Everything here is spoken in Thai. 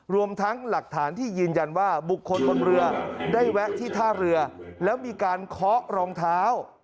รวมทั้งหลักฐานที่ยืนยันว่าบุคคลบนเรือได้แวะที่ท่าเรือแล้วมีการเคาะรองเท้า